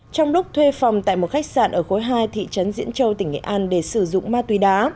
trong lúc thuê phòng tại một khách sạn ở khối hai thị trấn diễn châu tỉnh nghệ an để sử dụng ma túy đá